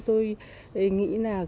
tôi nghĩ là